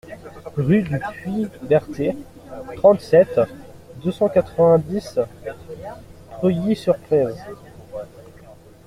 Rue du Puits Berthet, trente-sept, deux cent quatre-vingt-dix Preuilly-sur-Claise